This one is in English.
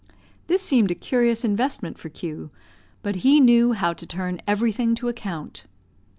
This seemed a curious investment for Q , but he knew how to turn everything to account.